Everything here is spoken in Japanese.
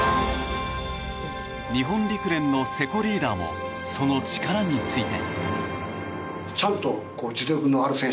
日本陸連の瀬古リーダーもその力について。